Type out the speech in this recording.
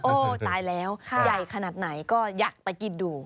โอ้โหตายแล้วใหญ่ขนาดไหนก็อยากไปกินดู